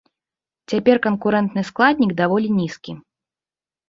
Цяпер канкурэнтны складнік даволі нізкі.